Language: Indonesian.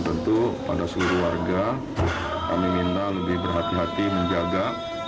tentu pada seluruh warga kami minta lebih berhati hati menjaga